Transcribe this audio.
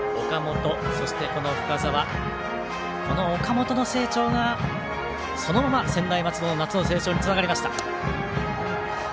この岡本の成長がそのまま専大松戸の夏の成長につながりました。